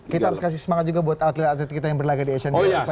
kita harus kasih semangat juga buat atlet atlet kita yang berlagak di asian games